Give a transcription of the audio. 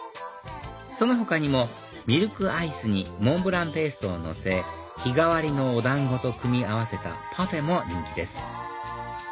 その他にもミルクアイスにモンブランペーストをのせ日替わりのお団子と組み合わせたパフェも人気です